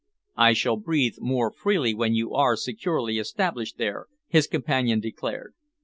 "I shall breathe more freely when you are securely established there," his companion declared.